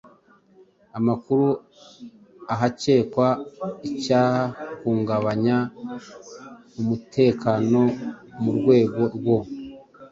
amakuru ahakekwa icyahungabanya umutekano mu rwego rwo